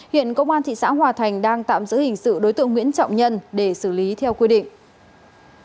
hiện công an thị xã hòa thành đang tạm giữ hình sự đối tượng nguyễn trọng nhân để xử lý theo quy định